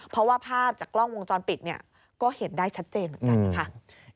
เพราะว่าภาพจากกล้องวงจรปิดเนี่ยก็เห็นได้ชัดเจนเหมือนกันค่ะ